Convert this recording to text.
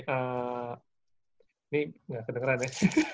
ini gak kedengeran ya